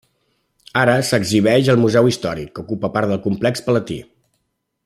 Ara s'exhibeix al museu històric, que ocupa part del complex palatí.